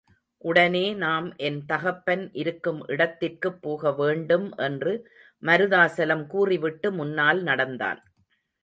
உடனே நாம் என் தகப்பன் இருக்கும் இடத்திற்குப் போக வேண்டும் என்று மருதாசலம் கூறிவிட்டு முன்னால் நடந்தான்.